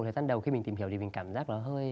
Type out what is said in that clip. thời gian đầu khi mình tìm hiểu thì mình cảm giác nó hơi